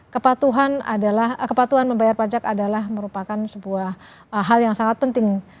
kepatuhan adalah kepatuhan membayar pajak adalah merupakan sebuah hal yang sangat penting